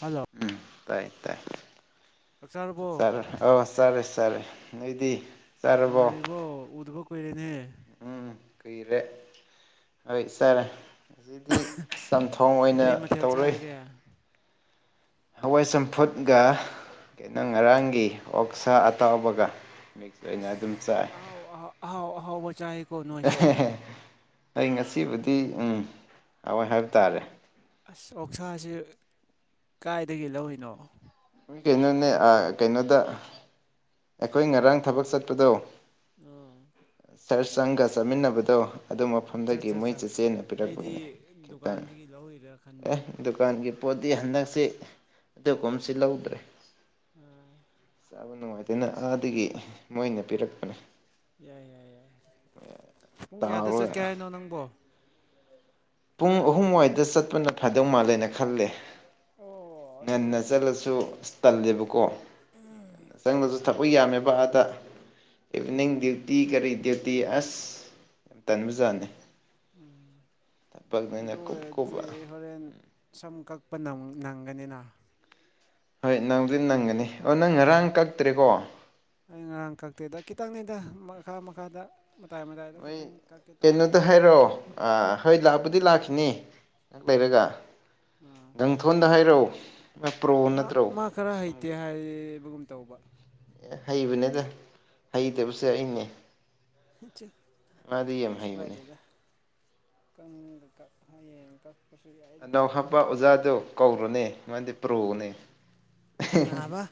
hello ꯎꯝ ꯇꯥꯏ ꯇꯥꯏꯔ ꯆꯥꯔꯕꯣ ꯑ ꯆꯔꯦ ꯆꯔꯦ ꯅꯣꯏꯗꯤ ꯆꯥꯔꯕꯣ ꯅꯨꯡꯉꯥꯏꯔꯤꯕꯣ ꯎꯗꯕ ꯀꯨꯏꯔꯦꯅꯦ ꯎꯝ ꯀꯨꯏꯔꯦ ꯍꯣꯏ ꯁꯥꯔꯦ ꯑꯁꯤꯗꯤ ꯆꯝꯊꯣꯡ ꯑꯣꯏꯅ ꯀꯔꯤ ꯃꯊꯦꯜ ꯇꯧꯔꯨꯏ ꯆꯥꯔꯒꯦ ꯍꯋꯥꯏ ꯆꯝꯐꯨꯠꯒ ꯀꯩꯅꯣ ꯉꯔꯥꯡꯒꯤ ꯑꯣꯛꯁꯥ ꯑꯇꯥꯎꯕꯒ ꯃꯤꯁꯅ ꯑꯗꯨꯝ ꯆ ꯑꯩꯁ ꯑꯍꯥꯎ ꯑꯍꯥꯎ ꯑꯍꯥꯎ ꯑꯍꯥꯎꯕ ꯆꯥꯏꯀꯣ ꯅꯣꯏꯁꯦ ꯑꯩ ꯉꯁꯤꯕꯨꯗꯤ ꯎꯝ ꯍꯋꯥꯏ ꯍꯥꯏꯕ ꯇꯥꯔꯦ ꯑꯁ ꯑꯣꯛꯁꯥꯁ ꯀꯥꯏꯗꯒꯤ ꯂꯧꯔꯤꯅꯣ ꯀꯩꯅꯣꯅꯦ ꯀꯩꯅꯣꯗ ꯑꯩꯈꯣꯏ ꯉꯔꯥꯡ ꯊꯕꯛ ꯆꯠꯄꯗꯣ ꯎꯝ ꯁꯔ ꯆꯪꯒ ꯆꯠꯃꯤꯟꯅꯕꯗꯣ ꯑꯗꯨ ꯑꯠꯆꯥ ꯃꯐꯝꯗꯒꯤ ꯆꯥ ꯃꯣꯏ ꯆꯥ ꯆꯦꯆꯦꯟꯅ ꯄꯤꯔꯛꯄꯒꯤꯅꯦ ꯑꯩꯗꯤ ꯈꯤꯇꯪ ꯗꯨꯀꯥꯟꯗꯒꯤ ꯂꯧꯔꯤꯔꯥ ꯈꯟꯕ ꯑꯦ ꯗꯨꯀꯥꯟꯒꯤ ꯄꯣꯠꯇꯤ ꯍꯟꯗꯛꯁꯤ ꯑꯗꯨꯒ ꯀꯨꯝꯁꯤ ꯂꯧꯗ꯭ꯔꯦ ꯑ ꯆꯥꯕ ꯅꯨꯡꯉꯥꯏꯇꯅ ꯑꯥꯗꯒꯤ ꯃꯣꯏꯅ ꯄꯤꯔꯛꯄꯅꯦ ꯌꯥꯏ ꯌꯥꯏ ꯌꯥꯏ ꯄꯨꯡ ꯀꯌꯥꯗ ꯆꯠꯀꯦ ꯇꯥꯎꯔꯒ ꯍꯥꯏꯅꯣ ꯅꯪꯕꯣ ꯄꯨꯡ ꯑꯍꯨꯝꯋꯥꯏꯗ ꯆꯠꯄꯅ ꯐꯗꯧ ꯃꯥꯜꯂꯦꯅ ꯈꯂꯦ ꯑꯣ ꯑꯗꯨ ꯉꯟꯅ ꯑꯣꯏꯔꯗꯤ ꯆꯠꯂꯁꯨ ꯇꯜꯂꯦꯕꯀꯣ ꯆꯪꯂꯪꯂꯁꯨ ꯊꯛꯄ ꯌꯥꯝꯃꯦꯕ ꯑꯥꯗ ꯏꯚꯤꯅꯤꯡ ꯑꯣ ꯗ꯭ꯌꯨꯇꯤ ꯀꯔꯤ ꯗ꯭ꯌꯨꯇꯤ ꯑꯁ ꯌꯥꯝ ꯇꯟꯕꯖꯥꯠꯅꯤ ꯎꯝ ꯑꯗꯨ ꯊꯕꯛꯅꯤꯅ ꯀꯨꯞ ꯀꯨꯞꯕ ꯑꯣꯏꯔꯗꯤ ꯍꯣꯔꯦꯟ ꯁꯝꯈꯛ ꯅꯪꯒꯅꯤꯅ ꯍꯣꯏ ꯅꯪꯕꯨꯗꯤ ꯅꯪꯒꯅꯤ ꯑꯣ ꯅꯪ ꯉꯔꯥꯡ ꯀꯛꯇ꯭ꯔꯦꯀꯣ ꯑꯩ ꯉꯔꯥꯡ ꯀꯛꯇꯦꯗ ꯈꯤꯇꯪꯅꯤꯗ ꯃꯈꯥ ꯃꯈꯥꯗ ꯃꯇꯥꯏ ꯃꯇꯥꯏꯗ ꯍꯣꯏ ꯈꯤꯇꯪ ꯀꯛꯀꯦ ꯀꯩꯅꯣꯗ ꯇꯧꯕꯅꯤꯗ ꯍꯥꯏꯔꯛꯑꯣ ꯑ ꯍꯣꯏ ꯂꯥꯛꯄꯗꯤ ꯂꯥꯛꯀꯦ ꯐꯅꯤ ꯉꯥꯛ ꯂꯩꯔꯒ ꯑꯥ ꯒꯪꯊꯣꯟꯗ ꯍꯥꯏꯔꯛꯎ ꯃꯥ ꯄ꯭ꯔꯣ ꯅꯠꯇ꯭ꯔꯣ ꯃꯥ ꯈꯔ ꯍꯩꯇꯦ ꯁꯣꯝꯒꯤ ꯍꯥꯏꯕꯒꯨꯝ ꯇꯧꯕ ꯍꯩꯕꯅꯤꯗ ꯍꯩꯇꯕꯁꯦ ꯑꯩꯅꯦ ꯍꯩꯆꯦ ꯑꯗꯤꯌꯦꯦꯝ ꯍꯥꯏꯩꯕꯅꯦ ꯀꯀ ꯍꯌꯦꯡ ꯀ ꯑꯅꯧ ꯍꯥꯞꯄ ꯑꯣꯖꯥꯗꯨ ꯀꯧꯔꯨꯅꯦ ꯃꯥꯗꯤ ꯄꯨ꯭ꯔꯨꯅꯦ ꯀꯅ ꯑꯕ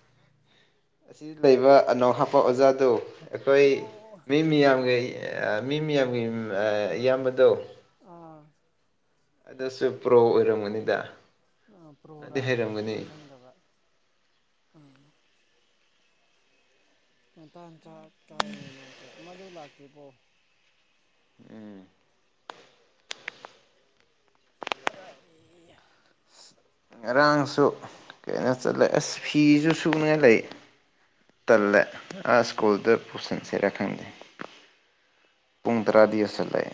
ꯑꯁꯤ ꯂꯩꯕ ꯑꯅꯧ ꯍꯥꯞꯄ ꯑꯣꯖꯥꯗꯨ ꯑꯩꯈꯣꯏ ꯑꯣ ꯃꯤ ꯃꯤꯌꯥꯝꯒꯤ ꯃꯤ ꯃꯌꯥꯝꯒꯤ ꯏꯌꯥꯝꯕꯗꯣ ꯑꯥ ꯑꯗꯁꯨ ꯄ꯭ꯔꯣ ꯑꯣꯏꯔꯝꯉꯅꯤꯗ ꯑꯥ ꯄ꯭ꯔꯣꯔꯥ ꯑꯩꯗꯤ ꯈꯪꯗꯕ ꯑꯥ ꯉꯟꯇꯥꯅ ꯆꯥꯛ ꯆꯥꯏꯅꯦ ꯅꯣꯏꯁꯦ ꯑꯃꯗꯨ ꯂꯥꯛꯇ꯭ꯔꯤꯕꯣ ꯎꯝ [unintelligible] ꯉꯔꯥꯡꯁꯨ ꯀꯩꯅꯣ ꯆꯠꯂꯦ ꯑꯁ ꯐꯤꯁꯨ ꯁꯨꯅꯤꯡꯉꯥꯏ ꯂꯩ ꯇꯜꯂꯦ ꯑꯥ ꯁ꯭ꯀꯨꯜꯗ ꯄꯨꯁꯤꯟꯁꯤꯔ ꯈꯪꯗꯦ ꯄꯨꯡ ꯇꯔꯥꯗꯤ ꯌꯁꯜꯂꯑꯦ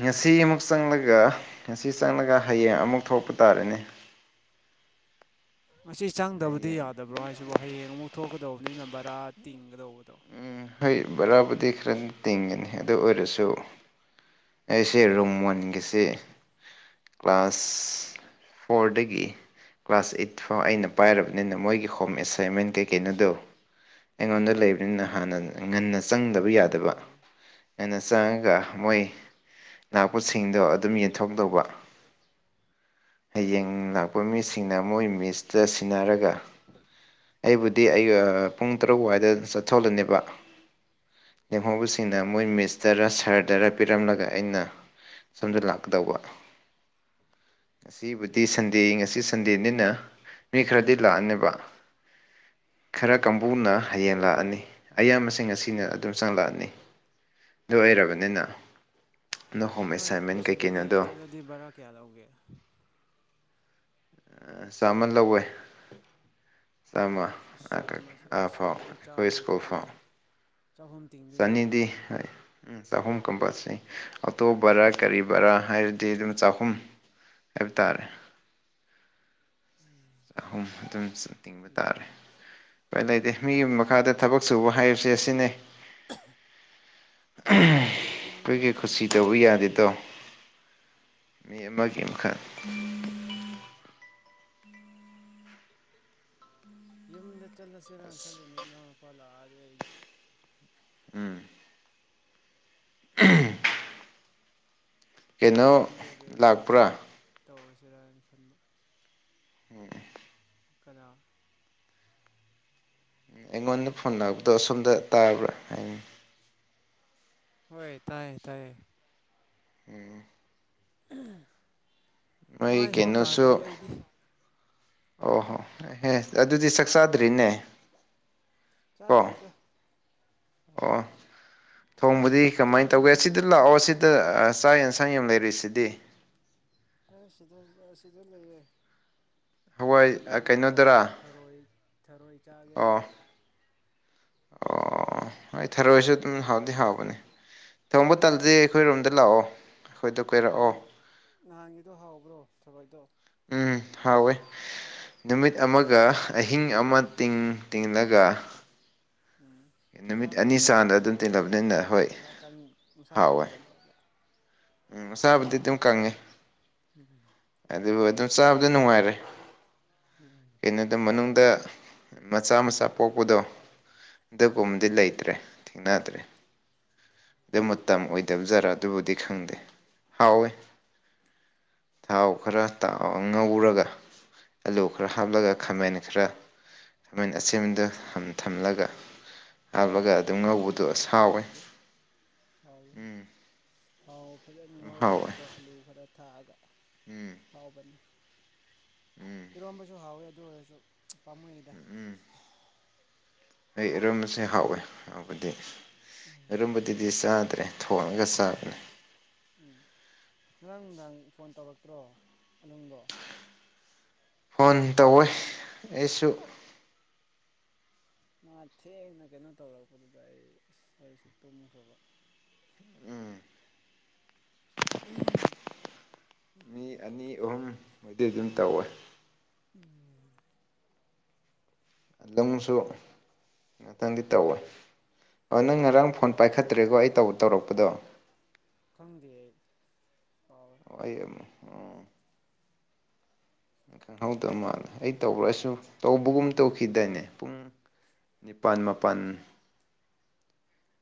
ꯉꯁꯤ ꯑꯃꯨꯛ ꯆꯪꯂꯒ ꯉꯁꯤ ꯆꯪꯂꯒ ꯍꯌꯦꯡ ꯑꯃꯨꯛ ꯊꯣꯛꯄ ꯇꯥꯔꯅꯤ [inaudible] ꯉꯁꯤ ꯆꯪꯗꯕꯗꯤ ꯌꯥꯗꯕ꯭ꯔꯣ ꯍꯥꯏꯁꯤꯕꯨ ꯍꯌꯦꯡ ꯑꯃꯨꯛ ꯊꯣꯛꯀꯗꯧꯕꯅꯤꯅ ꯕꯔꯥ ꯇꯤꯡ ꯒꯗꯧꯕꯗꯣ ꯎꯝ ꯍꯣꯏ ꯕꯔꯥꯕꯨꯗꯤ ꯈꯔ ꯇꯤꯡꯒꯅꯤ ꯑꯗꯨ ꯑꯣꯏꯔꯁꯨ ꯑꯩꯁꯦ ꯔꯨꯝ ꯋꯥꯟꯒꯤꯁꯤ ꯀ꯭ꯂꯥꯁ ꯐꯣꯔꯇꯒꯤ ꯀ꯭ꯂꯥꯁ ꯑꯩꯠ ꯐꯥꯎ ꯑꯩꯅ ꯄꯥꯏꯔꯕꯅꯤꯅ ꯃꯣꯏꯒꯤ ꯍꯣꯝ ꯑꯦꯁꯥꯏꯟꯃꯦꯟ ꯀꯩꯀꯩꯅꯣꯗꯣ ꯑꯩꯉꯣꯟ ꯂꯩ ꯑꯗꯨꯅ ꯍꯥꯟꯅ ꯉꯟꯅ ꯆꯪꯗꯕ ꯌꯥꯗꯕ ꯎꯝ ꯉꯟꯅ ꯆꯪꯉꯒ ꯃꯣꯏ ꯅꯥꯛꯄꯁꯤꯡꯗꯣ ꯎꯝ ꯑꯗꯨꯝ ꯌꯦꯟꯊꯣꯛꯀꯗꯧꯕ ꯍꯌꯦꯡ ꯂꯥꯛꯄ ꯃꯤꯁꯤꯡꯅ ꯃꯣꯏ ꯃꯤꯁꯇ ꯁꯤꯟꯅꯔꯒ ꯑꯩꯕꯨꯗꯤ ꯑꯩꯒ ꯄꯨꯡ ꯇꯔꯨꯛ ꯑꯗꯨꯏꯗ ꯆꯠ ꯆꯊꯣꯛꯂꯅꯤꯕ ꯂꯦꯝꯍꯧꯕꯁꯤꯡꯅ ꯃꯣꯏ ꯃꯤꯁꯇꯔ ꯎꯝ ꯁꯍꯔꯗꯔ ꯄꯤꯔꯝꯂꯒ ꯑꯩꯅ ꯁꯣꯝꯗ ꯂꯥꯛꯀꯗꯧꯕ ꯉꯁꯤꯕꯨꯗꯤ ꯁꯟꯗꯦ ꯉꯁꯤ ꯁꯟꯗꯦꯅꯤꯅ ꯃꯤ ꯈꯔꯗꯤ ꯂꯥꯛꯑꯅꯦꯕ ꯈꯔ ꯀꯥꯡꯕꯨꯅ ꯍꯌꯦꯡ ꯍꯣꯏ ꯂꯥꯛꯑꯅꯤ ꯍꯣꯏ ꯑꯌꯥꯝꯕꯁꯤꯡ ꯉꯥꯁꯤ ꯑꯩꯅ ꯑꯗꯨꯝ ꯆꯪꯂꯪꯂꯛꯑꯅꯤ ꯑꯗꯨ ꯑꯣꯏꯔꯕꯅꯤꯅ ꯑꯗꯣ ꯍꯣꯝ ꯅꯥꯏ ꯑꯦꯁꯥꯏꯟꯃꯦꯟ ꯑꯁꯤꯗꯒꯤ ꯀꯩꯀꯩꯅꯣꯗꯣ ꯆꯠꯂꯗꯤ ꯚꯔꯥ ꯀꯌꯥ ꯂꯧꯒꯦ ꯆꯥꯃꯟ ꯂꯧꯋꯦ ꯆꯝꯃ ꯑꯁ ꯆꯥꯝꯃꯁꯦ ꯑꯥ ꯑꯁ ꯐꯥꯎ ꯑꯗꯨꯗꯤ ꯑꯩꯈꯣꯏ ꯆꯥꯝꯃ ꯁ꯭ꯀꯨꯜ ꯆꯥꯅꯤ ꯐꯥꯎ ꯆꯍꯨꯝ ꯇꯤꯡꯗꯣꯏꯅꯤꯅꯦ ꯆꯅꯤꯗꯤ ꯍꯥꯏ ꯎ ꯆꯍꯨꯝ ꯀꯝꯄꯜꯁꯅꯤ ꯑꯇꯣꯞ ꯕꯔꯥ ꯀꯔꯤ ꯕꯔꯥ ꯍꯥꯏꯔꯗꯤ ꯑꯗꯨꯝ ꯆꯍꯨꯝ ꯍꯥꯏꯕ ꯇꯥꯔꯦ ꯆꯍꯨꯝ ꯑꯗꯨꯝ ꯇꯤꯡꯕ ꯕꯦꯔꯥ ꯇꯥꯔꯦ ꯀꯩꯥꯏ ꯂꯩꯇꯦ ꯃꯤꯒꯤ ꯃꯈꯥꯗ ꯊꯕꯛ ꯁꯨꯕ ꯍꯥꯏꯕꯁꯦ ꯑꯁꯤꯅꯤ ꯑꯩꯗꯤ ꯑꯩꯈꯣꯏꯒꯤ ꯌꯨꯝꯗ ꯈꯨꯠꯁꯤ ꯇꯧꯕ ꯆꯠꯂꯁꯤꯔꯥꯅ ꯈꯜꯂꯤꯅꯦ ꯌꯥꯗꯦꯗꯣ ꯃꯤ ꯑꯃꯥꯒꯤ ꯃꯈꯥ ꯌꯨꯝꯗ ꯆꯠꯂꯁꯤꯔꯅ ꯑꯁ ꯈꯜꯂꯤꯅꯦ ꯅꯅꯥꯎꯅꯄꯥ ꯂꯥꯛꯑꯗꯤ ꯑꯩꯗꯤ ꯎꯝ [unintelligible] ꯀꯩꯅꯣ ꯌꯨꯝꯗ ꯔꯦꯜꯋꯦꯒꯤ ꯂꯥꯛꯄ꯭ꯔꯥ ꯊꯕꯛ ꯇꯧꯔꯁꯤꯔꯥꯅ ꯈꯟꯕ ꯎꯝ ꯀꯅꯥ ꯎꯝ ꯑꯩꯉꯣꯟꯗ ꯐꯣꯟ ꯂꯥꯛꯄꯗꯣ ꯑꯁꯣꯝꯗ ꯇꯥꯕ꯭ꯔꯥ ꯍꯥꯏꯅꯤ ꯍꯣꯏ ꯇꯥꯏꯌꯦ ꯇꯥꯏꯌꯦ ꯎꯝ ꯃꯥꯏꯐꯥꯎ ꯇꯥꯗ꯭ꯔꯤ ꯀꯩꯅꯣꯁꯨ ꯑꯩꯗꯤ ꯑꯣ ꯍꯣꯍꯣ ꯑꯗꯨꯗꯤ ꯆꯥꯛ ꯆꯥꯗ꯭ꯔꯤꯅꯦ ꯀꯣ ꯆꯥꯗ꯭ꯔꯤꯗ ꯑꯣ ꯆꯥꯛ ꯊꯣꯡꯕꯨꯗꯤ ꯀꯃꯥꯏꯅ ꯇꯧꯒꯦ ꯆꯥꯅꯤꯡꯉꯥꯏꯁꯨ ꯁꯤꯗ ꯂꯥꯛꯑꯣ ꯁꯤꯗ ꯆꯆꯥꯥꯛ ꯌꯦꯟꯁꯥꯡ ꯌꯥꯝ ꯂꯩꯔꯤꯁꯤꯗꯤ ꯁꯤꯗ ꯑꯁꯤꯗ ꯂꯩꯌꯦ ꯍꯋꯥꯏ ꯆꯥꯛ ꯌꯦꯟꯁꯥꯡ ꯍꯥꯎꯕ ꯀꯩꯅꯣꯗꯔꯥ ꯊꯔꯣꯏ ꯊꯔꯣꯏ ꯆꯥꯒꯦꯅ ꯑꯣ ꯇꯧꯔꯤ ꯑꯣ ꯑꯩ ꯊꯥꯔꯣꯏꯁꯨ ꯑꯗꯨꯝ ꯍꯥꯎꯗꯤ ꯍꯥꯎꯕꯅꯤ ꯊꯣꯡꯕ ꯇꯜꯁꯦ ꯑꯩꯈꯣꯏ ꯔꯣꯝꯗ ꯂꯥꯛꯑꯣ ꯑꯩꯈꯣꯏꯗ ꯀꯣꯏꯔꯛꯑꯣ ꯅꯍꯥꯟ ꯅꯍꯥꯟꯒꯤꯗꯣ ꯍꯥꯎꯕ꯭ꯔꯣ ꯊꯣꯔꯣꯏꯗꯣ ꯎꯝ ꯍꯥꯎꯋꯦ ꯅꯨꯃꯤꯠ ꯑꯃꯒ ꯃꯁꯥ ꯑꯍꯤꯡ ꯑꯃ ꯇꯤꯡ ꯇꯤꯡꯡꯂꯒ ꯎꯝ ꯃꯁꯥ ꯑꯅꯤ ꯀꯃꯥꯏꯅ ꯇꯧꯒꯦ ꯆꯥꯡꯗ ꯃꯁꯥ ꯑꯗꯨꯝ ꯇꯤꯜꯂꯕꯅꯤꯅ ꯐꯕ꯭ꯔꯕ ꯍꯣꯏ ꯃꯁꯥ ꯃꯁꯥ ꯀꯪꯗꯕ꯭ꯔꯕ ꯆꯥꯕꯨꯗꯤ ꯑꯗꯨꯝ ꯀꯪꯉꯦ ꯎꯝ ꯑꯗꯨꯕꯨ ꯑꯗꯨꯝ ꯆꯥꯕꯗ ꯅꯨꯡꯉꯥꯏꯔꯦ ꯎꯝ ꯀꯩꯅꯣꯗ ꯃꯅꯨꯡꯗ ꯃꯆꯥ ꯃꯆꯥ ꯄꯣꯛꯄꯗꯣ ꯑꯗꯨꯒꯨꯝꯕꯗꯤ ꯂꯩꯇ꯭ꯔꯦ ꯊꯦꯡꯅꯗ꯭ꯔꯦ ꯑꯗꯨ ꯃꯇꯝ ꯃꯇꯝ ꯑꯣꯏꯗꯕ ꯖꯥꯔ ꯑꯗꯨꯕꯨꯗꯤ ꯈꯪꯗꯦ ꯍꯥꯎꯋꯦ ꯊꯥꯎ ꯈꯔ ꯉꯧꯔꯒ ꯑꯂꯨ ꯈꯔ ꯎꯝ ꯍꯥꯞꯂꯒ ꯈꯥꯃꯦꯟ ꯈꯔ ꯈꯥꯃꯦꯟ ꯑꯁꯦꯝꯕꯗꯨ ꯊꯝꯂꯒ ꯊꯥꯎ ꯍꯥꯞꯂꯒ ꯑꯗꯨꯝ ꯉꯧꯕꯗꯣ ꯁꯥꯎꯋꯦ ꯑꯥꯎ ꯍ ꯐ ꯑꯗꯨꯝ ꯍꯥꯎꯋꯦ ꯂꯍꯧꯔꯗꯤꯀꯣ ꯑꯂꯨ ꯈꯔ ꯊꯥꯛꯑꯒ ꯎꯝ ꯍꯥꯎꯕꯅꯤ ꯎꯝ ꯏꯔꯣꯟꯝꯕꯁꯨ ꯍꯥꯎꯋꯤ ꯑꯗꯨ ꯑꯣꯏꯔꯁꯨ ꯄꯥꯝꯃꯨꯗ ꯎꯝ ꯑꯩ ꯑꯔꯨꯝꯕꯁꯦ ꯍꯥꯎꯋꯦ ꯍꯥꯏꯥꯎꯕꯗꯤ ꯎꯝ ꯑꯔꯨꯝꯕꯗꯨꯗꯤ ꯆꯥ ꯐꯠꯇ꯭ꯔꯦ ꯊꯣꯡꯉꯒ ꯆꯥꯕꯅꯦ ꯎꯝ ꯉꯔꯥꯡ ꯅꯨꯡꯗꯥꯡ ꯐꯣꯟ ꯇꯧꯔꯛꯇ꯭ꯔꯣ ꯑꯂꯨꯡꯗꯣ ꯐꯣꯟ ꯇꯧꯋꯦ ꯑꯩꯁꯨ ꯃꯥ ꯊꯦꯡꯅ ꯀꯩꯅꯣ ꯇꯧꯔꯛꯄꯗꯨꯗ ꯑꯩ ꯑꯁ ꯑꯩꯁꯨ ꯇꯨꯝꯈ꯭ꯔꯕ ꯎꯝ ꯎꯝ ꯃꯤ ꯑꯅꯤ ꯑꯍꯨꯝ ꯃꯣꯏꯗꯤ ꯑꯗꯨꯝ ꯇꯧꯋꯦ ꯑꯗꯨꯪꯁꯨ ꯉꯥꯛꯇꯪꯗꯤ ꯇꯧꯋꯦ ꯑꯣ ꯅꯪ ꯉꯔꯥꯡ ꯐꯣꯟ ꯄꯥꯏꯈꯠꯇ꯭ꯔꯦꯀꯣ ꯑꯩ ꯇꯧꯔꯛꯄꯗꯣ ꯈꯪꯗꯦ ꯀꯥꯎꯔꯦ ꯑ ꯑꯝ ꯈꯪꯍꯧꯗꯧ ꯃꯥꯜꯂꯦ ꯑꯩ ꯇꯧꯔꯁꯨ ꯇꯧꯕꯒꯨꯝ ꯇꯧꯈꯤꯗꯏꯅꯦ ꯄꯨꯡ ꯅꯤꯄꯥꯜ ꯃꯥꯄꯜ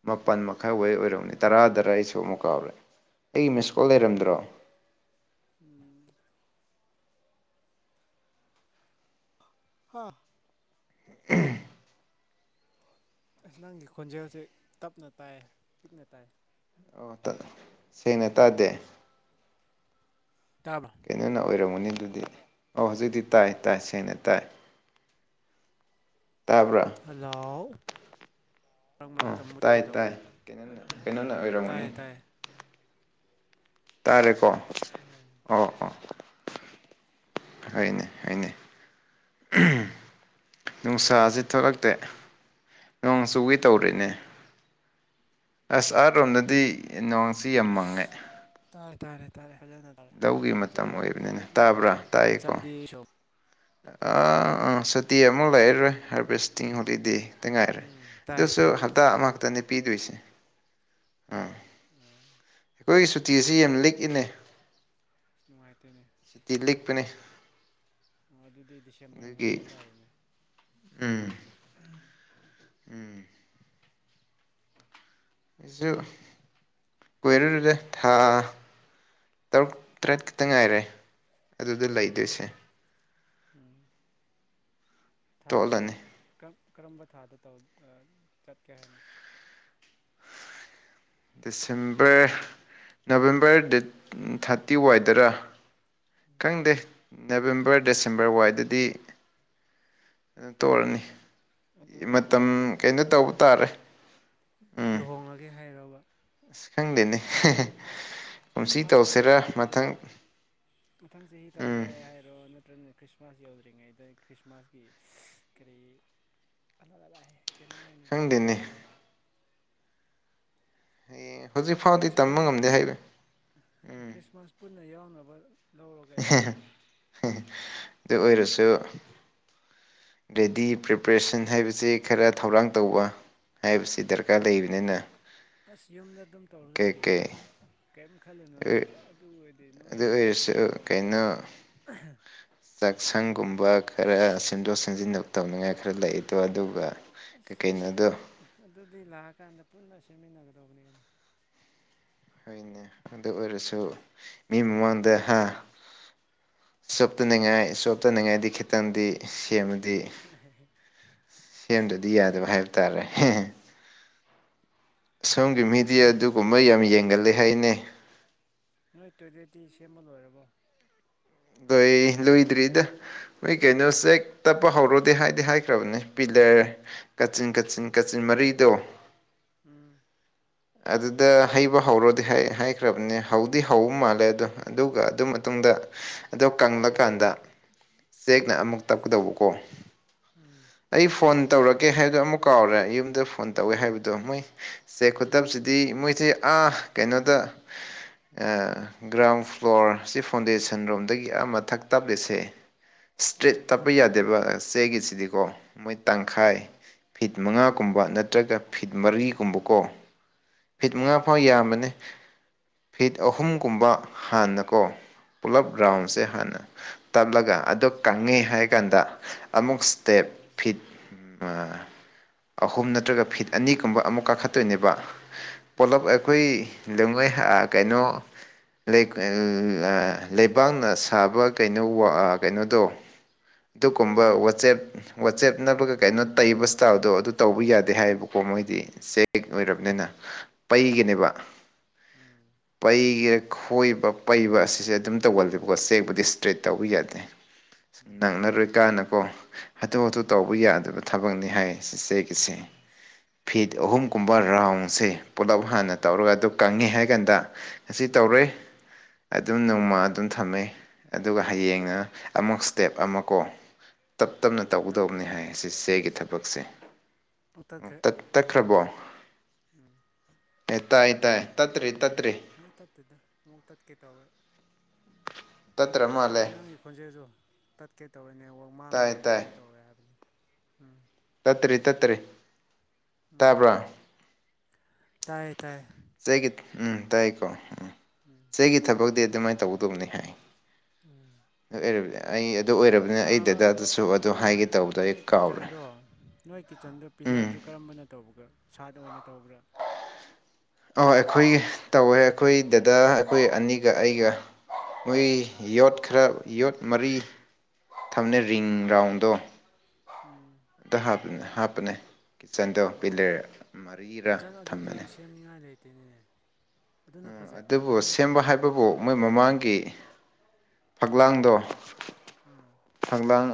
ꯃꯥꯄꯜ ꯃꯈꯥꯏ ꯍꯩ ꯑꯣꯏꯔꯝꯅꯦ ꯇꯔꯥꯗꯔ ꯑꯩꯁꯨ ꯑꯃꯨꯛ ꯀꯥꯎꯔꯦ ꯑꯩꯒꯤ ꯃꯤꯁ ꯀꯣꯜ ꯂꯩꯔꯝꯗ꯭ꯔꯣ ꯎꯝ ꯍꯥ ꯎ ꯑꯁ ꯅꯪꯒꯤ ꯈꯣꯟꯖꯦꯜꯁꯦ ꯇꯞꯅ ꯇꯥꯏ ꯄꯤꯛꯅ ꯇꯥꯏ ꯑꯣ ꯁꯦꯡꯅ ꯇꯥꯗꯦ ꯇꯥꯕ꯭ꯔꯣ ꯀꯩꯅꯣꯅ ꯑꯣꯏꯔꯝꯃꯅꯤ ꯑꯗꯨꯗꯤ ꯑꯣ ꯍꯧꯖꯤꯛꯇꯤ ꯇꯥꯏ ꯇꯥꯏ ꯁꯦꯡꯅ ꯇꯥꯏ ꯇꯥꯕ꯭ꯔꯥ ꯍꯜꯂꯣ ꯃꯔꯛ ꯑ ꯃꯔꯛꯇ ꯃꯨꯠꯀꯦ ꯇꯥꯏ ꯇꯥꯏ ꯇꯧꯋꯦ ꯀ ꯀꯩꯅꯣꯅ ꯑꯣꯏꯔꯝꯒꯅꯤ ꯇꯥꯏꯌꯦ ꯇꯥꯏꯌꯦ ꯇꯥꯔꯦꯀꯣ ꯎꯝ ꯑꯣ ꯑꯣ ꯍꯅꯦ ꯍꯅꯦ ꯅꯨꯡꯁꯥꯥꯁ ꯊꯣꯛꯂꯛꯇꯦ ꯅꯣꯡ ꯆꯨꯋꯒꯤ ꯇꯧꯔꯤꯅꯦ ꯑꯁ ꯑꯥꯠ ꯔꯣꯝꯗꯗꯤ ꯅꯨꯡꯋꯥꯡꯁꯤ ꯌꯥꯝ ꯃꯪꯉꯦ ꯇꯥꯔꯦ ꯇꯥꯔꯦ ꯇꯥꯔꯦ ꯐꯖꯅ ꯇꯥꯔꯦ ꯂꯧꯒꯤ ꯃꯇꯝ ꯆꯠꯂꯗꯤ ꯑꯣꯏꯕꯅꯤꯅ ꯑꯃꯨꯛ ꯂꯥꯛꯑꯒ ꯆꯠꯗꯤ ꯑ ꯑꯥ ꯁꯇꯤ ꯑꯃ ꯂꯩꯔꯔꯣꯏ ꯍꯥꯔꯚꯦꯁꯇꯤꯡ ꯍꯣꯂꯤꯗꯦ ꯇꯤꯡ ꯉꯥꯏꯔꯦ ꯎꯝ ꯇꯥꯏ ꯑꯗꯨꯁꯨ ꯇꯥꯏ ꯍꯞꯇꯥ ꯑꯃꯈꯛꯇꯅꯦ ꯄꯤꯗꯣꯏꯁꯦ ꯑꯥ ꯎꯝ ꯑꯩꯈꯣꯏꯒꯤ ꯁꯨꯇꯤ ꯑꯁꯤ ꯌꯥꯝ ꯂꯤꯛꯏꯅꯦ ꯑꯁ ꯅꯨꯡꯉꯥꯏꯇꯦꯅꯦ ꯁꯨꯇꯤ ꯂꯤꯛꯄꯅꯦ ꯑꯗꯨꯗꯤ ꯗꯤꯁꯦꯝꯕꯔ ꯑꯗꯨꯒꯤ ꯉꯥꯏꯕ ꯇꯥꯔꯦꯅꯦ ꯎꯝ ꯈ꯭ꯔꯤꯁꯃꯥꯁꯀꯤ ꯎꯝ ꯑꯩꯁꯨ ꯀꯣꯏꯔꯨꯔꯨꯔꯦ ꯊꯥ ꯇꯔꯨꯛ ꯇꯔꯦꯠ ꯈꯛꯇ ꯉꯥꯏꯔꯦ ꯑꯗꯨꯗ ꯂꯩꯗꯣꯏꯁꯦ ꯎꯝ ꯊꯥ ꯇꯣꯜꯂꯅꯤ ꯀꯔꯝ ꯀꯔꯝꯕ ꯊꯥꯗ ꯇꯧ ꯆꯠꯀꯦ ꯍꯥꯏꯅꯣ ꯗꯤꯁꯦꯝꯕꯔ ꯅꯕꯦꯝꯕꯔ ꯗꯦꯠ ꯊꯥꯔꯇꯤ ꯋꯥꯏꯗꯔꯥ ꯈꯪꯗꯦ ꯅꯕꯦꯝꯕꯔ ꯗꯤꯁꯦꯝꯕꯔ ꯋꯥꯏꯗꯗꯤ ꯇꯣꯛꯔꯅꯤ ꯑꯗꯨ ꯂꯨꯍꯣꯡꯂꯒꯦ ꯍꯥꯏꯔꯣ ꯇꯥꯔꯦ ꯂꯨꯍꯣꯡꯂꯒꯦ ꯍꯥꯏꯔꯔꯕ ꯁ ꯈꯪꯗꯦꯅꯦ ꯀꯨꯝꯁꯤ ꯈ꯭ꯔꯤꯁꯃꯥꯁ ꯇꯧꯁꯤꯔꯥ ꯌꯧꯗ꯭ꯔꯤꯉꯩꯗ ꯃꯊꯪ ꯃꯊꯪ ꯆꯍꯤ ꯎꯝ ꯇꯧꯔꯒꯦ ꯍꯥꯏ ꯍꯥꯏꯔꯣ ꯅꯠꯇ꯭ꯔꯅꯦ ꯈ꯭ꯔꯤꯁꯃꯥꯁ ꯌꯧꯗ꯭ꯔꯤꯉꯩꯗ ꯈ꯭ꯔꯤꯁꯃꯥꯁꯀꯤ ꯀꯔꯤ ꯑꯂꯛ ꯑꯂꯥꯛꯑ ꯀꯩꯅꯣ ꯑꯣꯏꯅ ꯂꯧꯒꯦ ꯈꯪꯗꯦꯅꯦ ꯍꯥꯏꯕ꯭ꯔꯣ ꯍꯌꯦꯡ ꯍꯧꯖꯤꯛ ꯐꯥꯎꯗꯤ ꯈ꯭ꯔꯤꯁꯃꯥꯁ ꯇꯝꯕ ꯄꯨꯟꯅ ꯉꯝꯗꯦ ꯍꯥꯏꯕ ꯎꯝ ꯈ꯭ꯔꯤꯁꯃꯥꯁ ꯄꯨꯟꯅ ꯌꯥꯎꯅꯕ ꯂꯧꯔꯣ ꯀꯩꯅꯣ ꯑꯗꯨ ꯑꯣꯏꯔꯁꯨ ꯔꯦꯗꯤ ꯄ꯭ꯔꯤꯄꯔꯦꯁꯟ ꯍꯥꯏꯕꯕꯁꯤ ꯈꯔ ꯊꯧꯔꯥꯡ ꯇꯧꯕ ꯍꯥꯏꯕꯁꯤ ꯗꯔꯀꯥꯔ ꯂꯩꯕꯅꯤꯅ ꯑꯁ ꯌꯨꯝꯗ ꯑꯗꯨꯝ ꯇꯧꯔꯒ ꯀꯩꯀꯩ ꯂꯩꯔꯤꯅꯤꯅꯦ ꯀꯔꯤ ꯈꯜꯂꯨꯅꯨꯅꯦ ꯑꯗꯨ ꯑꯣꯏꯔꯗꯤ ꯑꯗꯨ ꯅꯣꯏ ꯑꯣꯏꯔꯁꯨ ꯀꯩꯅꯣ ꯀꯩꯅꯣ ꯆꯥꯛꯁꯪꯒꯨꯝꯕ ꯈꯔ ꯁꯦꯝꯗꯣꯛ ꯁꯦꯝꯖꯤꯟ ꯇꯧꯅꯤꯡꯉꯥꯏ ꯈꯔ ꯂꯩꯗꯣ ꯑꯗꯨꯒ ꯀꯩ ꯑꯁ ꯑꯗꯨꯗꯤ ꯀꯩꯅꯣꯗꯣ ꯑꯗꯨꯗꯤ ꯂꯥꯛꯑꯀꯥꯟꯗ ꯄꯨꯟꯅ ꯁꯦꯝꯃꯤꯟꯅꯒꯗꯥ ꯂꯧꯕꯅꯤ ꯍꯅꯦ ꯑꯗꯨ ꯑꯣꯏꯔꯁꯨ ꯃꯤ ꯃꯃꯥꯡꯗ ꯍꯥ ꯆꯣꯞꯇꯅꯤꯡꯉꯥꯏ ꯆꯣꯞꯇꯅꯤꯡꯉꯥꯏꯗꯤ ꯈꯤꯇꯪꯗꯤ ꯁꯦꯝꯃꯒꯦ ꯗꯤ ꯀꯩꯅꯣ ꯁꯦꯝꯗꯗꯤ ꯌꯥꯗꯕ ꯍꯥꯏꯕ ꯇꯥꯔꯦ ꯅꯣꯏ ꯁꯣꯝꯒꯤ ꯃꯤꯗꯤ ꯀꯩꯅꯣ ꯇꯣꯏ ꯑꯗꯨꯒꯨꯝꯕ ꯌꯥꯝ ꯌꯦꯡꯒꯜꯂ ꯍꯥꯏꯅꯦ ꯅꯣꯏ ꯇꯣꯏꯗꯦꯠꯇꯤ ꯁꯦꯝꯃꯜ ꯑꯣꯏꯣꯏꯔꯕꯣ ꯂꯣꯏ ꯂꯨꯏꯗ꯭ꯔꯤꯗ ꯅꯣꯏ ꯀꯩꯅꯣ ꯆꯦꯛ ꯇꯞꯄ ꯍꯧꯔꯣꯗꯤꯦ ꯍꯥꯏꯗꯤ ꯍꯥꯏꯈ꯭ꯔꯕꯅꯦ ꯄꯤꯂ ꯀꯥꯆꯤꯟ ꯀꯥꯆꯤꯟ ꯀꯥꯆꯤꯟ ꯃꯔꯤꯗꯣ ꯎꯝ ꯑꯗꯨꯗ ꯍꯩꯕ ꯍꯧꯔꯣꯗꯤ ꯍꯥꯏꯈ꯭ꯔꯕꯅꯦ ꯍꯧꯗꯤ ꯍꯧꯕ ꯃꯥꯜꯂꯦ ꯑꯗꯣ ꯑꯗꯨꯒ ꯑꯗꯨꯝ ꯃꯇꯨꯡ ꯑꯗꯣ ꯀꯪꯂꯀꯥꯟꯗ ꯆꯦꯛꯅ ꯑꯃꯨꯛ ꯇꯞꯀꯗꯧꯕꯀꯣ ꯎꯝ ꯑꯩ ꯐꯣꯟ ꯇꯧꯔꯒꯦ ꯍꯥꯏꯗꯣ ꯑꯃꯨꯛ ꯀꯥꯎꯔꯦ ꯌꯨꯝꯗ ꯐꯣꯟ ꯇꯧꯋꯦ ꯍꯥꯏꯕꯗꯣ ꯃꯣꯏ ꯆꯦ ꯈꯨꯠ ꯎꯝ ꯇꯕꯁꯤꯗꯤ ꯃꯣꯏꯁꯦ ꯑꯥ ꯀꯩꯅꯣꯗ ꯒ꯭ꯔꯥꯎꯟ ꯐ꯭ꯂꯣꯔꯁꯤ ꯐꯥꯎꯟꯗꯦꯁꯟ ꯔꯣꯝꯗꯒꯤ ꯑꯃꯊꯛ ꯇꯞꯂꯤꯁꯦ ꯏꯁꯇ꯭ꯔꯦꯠ ꯇꯞꯄ ꯌꯥꯗꯦꯕ ꯆꯦꯒꯤꯁꯤꯗꯤꯀꯣ ꯃꯣꯏ ꯎꯝ ꯇꯪꯈꯥꯏ ꯐꯤꯠ ꯃꯉꯥ ꯀꯨꯝꯕ ꯅꯠꯇ꯭ꯔꯒ ꯐꯤꯠ ꯃꯔꯤꯒꯨꯝꯕꯀꯣ ꯎꯝ ꯐꯤꯠ ꯎꯝ ꯃꯉꯥ ꯐꯥꯎ ꯌꯥꯝꯕꯅꯦ ꯐꯤꯠ ꯑꯍꯨꯝꯒꯨꯝꯕ ꯍꯥꯟꯅꯀꯣ ꯄꯨꯂꯞ ꯔꯒ꯭ꯔꯥꯎꯟꯁꯦ ꯎꯝ ꯍꯥꯟꯅ ꯇꯞꯂꯒ ꯑ ꯀꯪꯉꯦ ꯍꯥꯏ ꯀꯥꯟꯗ ꯑꯃꯨꯛ ꯁ꯭ꯇꯦꯞ ꯑꯃꯨꯛ ꯐꯤꯠ ꯑꯍꯨꯝ ꯅꯠꯇ꯭ꯔꯒ ꯐꯤꯠ ꯑꯅꯤꯒꯨꯝꯕ ꯑꯃꯨꯛ ꯀꯥꯈꯠꯇꯣꯏꯅꯦꯕ ꯄꯣꯂꯞ ꯑꯩꯈꯣꯏ ꯑꯗꯨ ꯃꯣꯏ ꯀꯩꯅꯣ ꯂꯩꯕꯥꯛꯅ ꯁꯥꯕ ꯀꯩꯅꯣ ꯀꯩꯅꯣꯗꯣ ꯑꯗꯨꯒꯨꯝꯕ ꯋꯥꯆꯦꯞ ꯋꯥꯆꯦꯞꯅꯕꯒ ꯀꯩꯅꯣ ꯇꯩꯕ ꯁ꯭ꯇꯥꯞꯗꯣ ꯑꯗꯨ ꯇꯧꯕ ꯌꯥꯗꯦ ꯍꯥꯏꯌꯦꯕꯀꯣ ꯃꯣꯏꯗꯤ ꯆꯦꯛ ꯑꯣꯏꯔꯕꯅꯤꯅ ꯄꯩꯒꯅꯦꯕ ꯄꯩꯒ ꯀꯔ ꯈꯣꯏꯕ ꯄꯩꯕ ꯑꯁꯤꯁꯦ ꯑꯗꯨꯝ ꯇꯧꯒꯜꯂꯦꯕꯀꯣ ꯆꯦꯛꯕꯨꯗꯤ ꯏꯁꯇ꯭ꯔꯦꯠ ꯇꯧꯕ ꯌꯥꯗꯦ ꯅꯪꯅꯔꯣꯏ ꯀꯥꯟꯅꯀꯣ ꯍꯥꯊꯨ ꯍꯥꯊꯨ ꯇꯧꯕ ꯌꯥꯗꯕ ꯊꯕꯛꯅꯤ ꯍꯥꯏ ꯆꯆꯦꯒꯤꯁꯦ ꯐꯤꯠ ꯑꯍꯨꯝ ꯀꯨꯝꯕ ꯔꯥꯎꯟꯁꯦ ꯄꯨꯂꯞ ꯍꯥꯟꯅ ꯇꯧꯔꯒ ꯑꯗꯨ ꯀꯪꯉꯦ ꯍꯥꯏ ꯀꯥꯟꯗ ꯑꯁꯤ ꯇꯧꯔꯦ ꯑꯗꯨꯝ ꯅꯣꯡꯃ ꯑꯗꯨꯝ ꯊꯝꯃꯦ ꯑꯗꯨꯒ ꯍꯌꯦꯡꯅ ꯑꯃꯨꯛ ꯏꯁꯇꯦꯞ ꯑꯃ ꯀꯣ ꯇꯞ ꯇꯞꯅ ꯇꯠꯈ꯭ꯔꯦ ꯇꯧꯒꯗꯕꯅꯤ ꯍꯥꯏ ꯁꯤ ꯆꯦꯒꯤ ꯊꯕꯛꯁꯦ ꯑꯃꯨꯛ ꯇꯠꯈ꯭ꯔꯦ ꯇꯛꯈ꯭ꯔꯕꯣ ꯎꯝ ꯍ ꯇꯥꯏ ꯇ ꯇꯠꯇꯔꯤ ꯇ ꯃ ꯇꯠꯇꯗ ꯃꯛ ꯇ ꯀꯦ ꯇꯕꯦ [unintelligible] ꯑꯗ ꯃꯥꯜꯂꯦ ꯅꯪꯒꯤ ꯈꯣꯟꯖꯦꯜꯁꯨ ꯇꯠꯀꯦ ꯇꯧꯔꯦꯅꯦ ꯋꯥꯛ ꯇꯥꯏ ꯃꯥꯡꯕꯨꯔꯣ ꯇꯥꯏ ꯀꯩꯅꯣꯝ ꯇꯧꯋꯦ ꯍꯥꯏꯕꯅꯤ ꯎꯝ ꯇꯠꯇ꯭ꯔꯤ ꯇꯠꯇ꯭ꯔꯤ ꯎꯝ ꯇꯥꯕ꯭ꯔꯥ ꯇꯥꯏꯌꯦ ꯇꯥꯏꯌꯦ ꯆꯩꯒꯤ ꯎꯝ ꯇꯥꯏꯀꯣ ꯎꯝ ꯎꯝ ꯆꯩꯒꯤ ꯊꯕꯛꯇꯤ ꯑꯗꯨꯃꯥꯏꯅ ꯇꯧꯒꯗꯧꯕꯅꯤ ꯍꯥꯏ ꯎꯝ ꯑꯦꯔꯕ ꯑꯗꯨ ꯍꯥꯏꯒꯦ ꯍꯥꯏꯔꯒ ꯇꯧꯕꯗꯣ ꯑꯩ ꯅꯣꯏ ꯀꯥꯎꯔꯦ ꯀꯤꯠꯆꯟꯗꯣ ꯅꯣꯏ ꯀꯤꯠꯆꯟꯗꯣ ꯄ ꯎꯝ ꯂꯔꯗꯨ ꯀꯔꯝꯕꯅ ꯇꯧꯕꯒ ꯁꯥꯠ ꯑꯣꯏꯅ ꯇꯧꯕ꯭ꯔꯥ ꯑꯣ ꯑꯩꯈꯣꯏꯒꯤ ꯇꯧꯋꯦ ꯑꯩꯈꯣꯏ ꯗꯗꯥ ꯑꯩꯈꯣꯏ ꯑꯅꯤꯒ ꯑꯩꯒ ꯃꯣꯏ ꯌꯣꯠꯈꯔ ꯌꯣꯠ ꯃꯔꯤ ꯊꯝꯅꯦ ꯔꯤꯡ ꯔꯥꯎꯟꯗꯣ ꯎꯝ ꯑꯝꯇ ꯍꯥꯞꯄꯅꯦ ꯍꯥꯞꯄꯅꯦ ꯀꯤꯠꯆꯟꯗꯣ ꯎꯝ ꯄꯤꯂꯔ ꯃꯔꯤꯔ ꯊꯝꯕꯅꯦ ꯇꯅꯤꯅꯦ ꯑꯗꯨꯕꯨ ꯁꯦꯝꯕ ꯍꯥꯏꯕꯕꯨ ꯃꯣꯏ ꯃꯃꯥꯡꯒꯤ ꯐꯛꯂꯥꯡꯗꯣ ꯑꯥ ꯐꯛꯂꯥꯡ